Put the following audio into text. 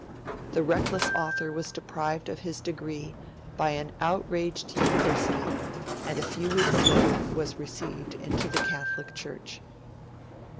The reckless author was deprived of his degree by an outraged University, and a few weeks later was received into the Catholic Church.